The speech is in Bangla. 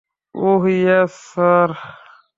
Oh, yes, sir.